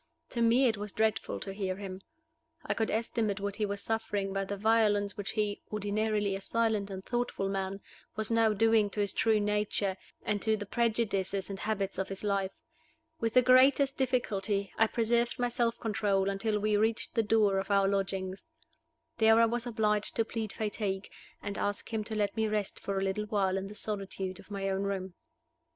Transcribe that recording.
To me it was dreadful to hear him. I could estimate what he was suffering by the violence which he ordinarily a silent and thoughtful man was now doing to his true nature, and to the prejudices and habits of his life. With the greatest difficulty I preserved my self control until we reached the door of our lodgings. There I was obliged to plead fatigue, and ask him to let me rest for a little while in the solitude of my own room.